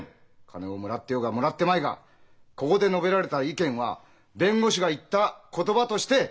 金をもらってようがもらってまいがここで述べられた意見は弁護士が言った言葉として判断される。